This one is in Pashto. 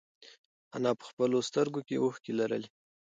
انا په خپلو سترگو کې اوښکې لرلې.